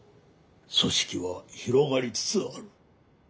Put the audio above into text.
組織は広がりつつある。